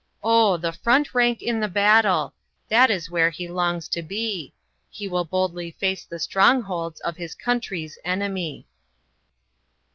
Oh! the front rank in the battle! That is where he longs to be. He will boldly face the strongholds Of his country's enemy.